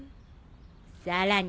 さらに！